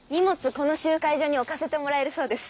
この集会所に置かせてもらえるそうです。